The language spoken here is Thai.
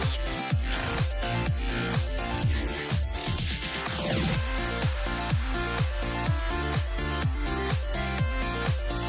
สวัสดีค่ะ